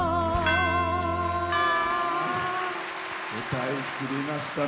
歌いきりました。